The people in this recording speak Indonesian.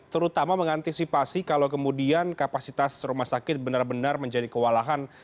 terutama mengantisipasi kalau kemudian kapasitas rumah sakit benar benar menjadi kewalahan